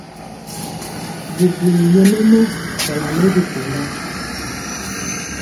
Bubuli nyɛmemɔ jala nɛ bi kanda.